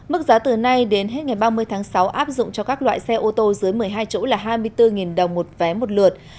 mức giá từ nay đến hết ngày ba mươi tháng sáu áp dụng cho các loại xe ô tô dưới một mươi hai chỗ là hai mươi bốn đồng một vé một lượt